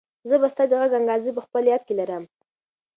زه به ستا د غږ انګازې په خپل یاد کې لرم.